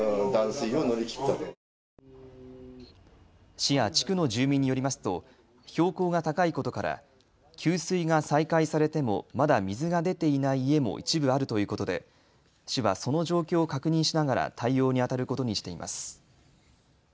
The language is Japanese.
市や地区の住民によりますと標高が高いことから給水が再開されてもまだ水が出ていない家も一部あるということで市はその状況を確認しながら対応にあたることにしています。